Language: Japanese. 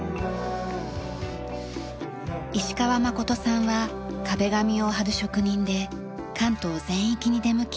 石川誠さんは壁紙を貼る職人で関東全域に出向き